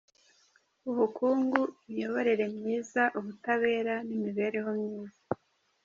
Ubukungu, Imiyoborere myiza, Ubutabera n’imibereho myiza.